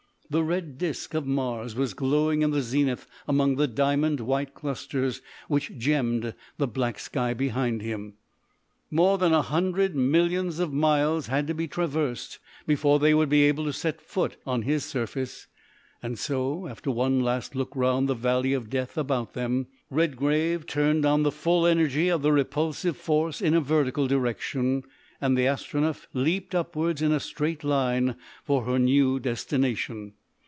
The red disc of Mars was glowing in the zenith among the diamond white clusters which gemmed the black sky behind him. More than a hundred millions of miles had to be traversed before they would be able to set foot on his surface, and so, after one last look round the Valley of Death about them, Redgrave turned on the full energy of the repulsive force in a vertical direction, and the Astronef leapt upwards in a straight line for her new destination.